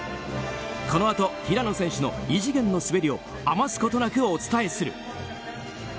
このあと平野選手の異次元の滑りを余すことなくお伝えする。